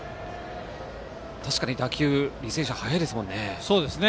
確かに打球、履正社速いですもんね。